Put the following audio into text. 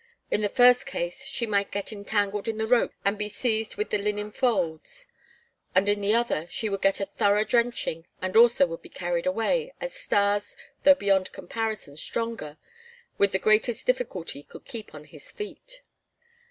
In the first case she might get entangled in the ropes and be seized with the linen folds, and in the other she would get a thorough drenching and also would be carried away, as Stas, though beyond comparison stronger, with the greatest difficulty could keep on his feet.